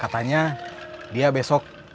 katanya dia besok dipanggil ke rumahmu